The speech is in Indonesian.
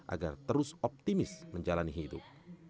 agar terus optimis menjalani hidup